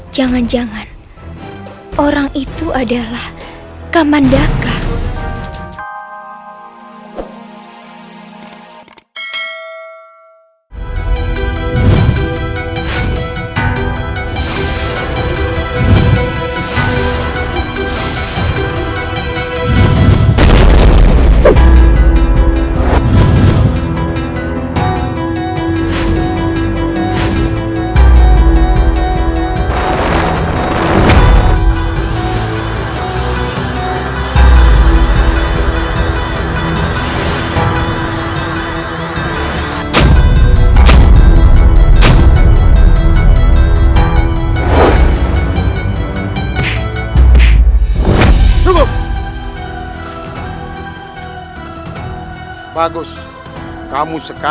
jangan jangan orang itu adalah kamandaka